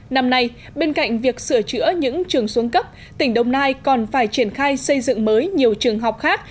năm nay bên cạnh việc sửa chữa những trường xuống cấp tỉnh đồng nai còn phải triển khai xây dựng mới nhiều trường học khác